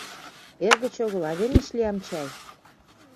— Эргыч огыл, а веҥыч лиям чай.